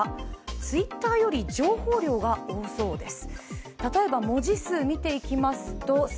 Ｔｗｉｔｔｅｒより情報量が多そうです。